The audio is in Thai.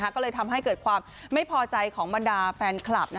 ก็เลยทำให้เกิดความไม่พอใจของบรรดาแฟนคลับ